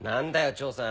長さん。